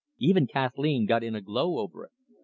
Even Kathleen got in a glow over it.